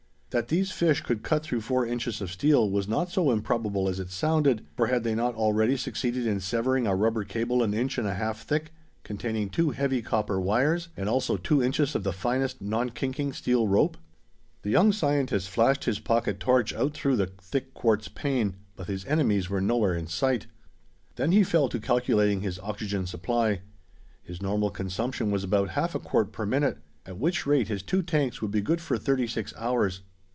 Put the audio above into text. That these fish could cut through four inches of steel was not so improbable as it sounded, for had they not already succeeded in severing a rubber cable an inch and a half thick, containing two heavy copper wires, and also two inches of the finest, non kinking steel rope! The young scientist flashed his pocket torch out through the thick quartz pane, but his enemies were nowhere in sight. Then he fell to calculating his oxygen supply. His normal consumption was about half a quart per minute, at which rate his two tanks would be good for thirty six hours.